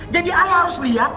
jadi aku harus lihat